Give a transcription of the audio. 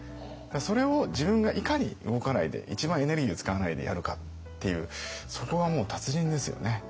それを自分がいかに動かないで一番エネルギーを使わないでやるかっていうそこはもう達人ですよね。